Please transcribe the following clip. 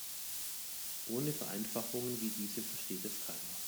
Ohne Vereinfachungen wie diese versteht es keiner.